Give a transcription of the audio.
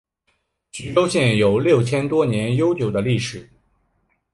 徐州具有六千多年悠久的历史。